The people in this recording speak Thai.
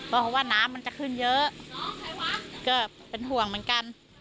เพราะว่าน้ำมันจะขึ้นเยอะก็เป็นห่วงเหมือนกัน